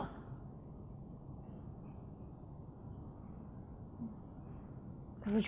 apakah apa apa tuyul dia